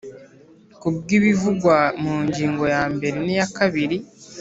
Ku bw ibivugwa mu ngingo ya mbere n iya kabiri